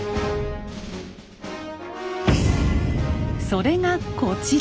それがこちら。